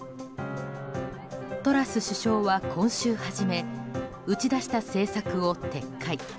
トラス首相は今週初め打ち出した政策を撤回。